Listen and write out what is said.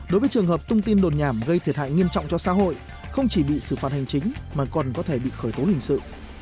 đối với trường hợp tung tin đồn nhảm gây thiệt hại nghiêm trọng cho xã hội không chỉ bị xử phạt hành chính mà còn có thể bị khởi tố hình sự